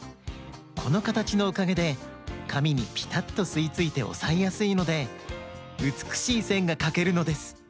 このかたちのおかげでかみにピタッとすいついておさえやすいのでうつくしいせんがかけるのです。